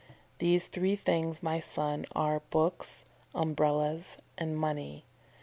These three things, my son, are BOOKS, UMBRELLAS, and MONEY!